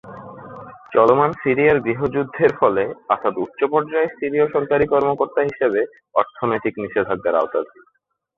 চলমান সিরিয়ার গৃহযুদ্ধের ফলে, আসাদ উচ্চ পর্যায়ের সিরীয় সরকারী কর্মকর্তা হিসেবে অর্থনৈতিক নিষেধাজ্ঞার আওতাধীন।